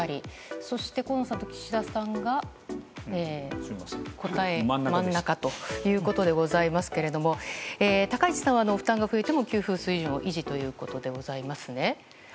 そして河野さんと岸田さんが答え、真ん中ということでございますが高市さんは負担が増えても給付水準を維持ということでございますね。